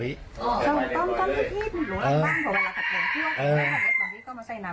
อันนี้ก็เล็กเหมือนิสเทาะ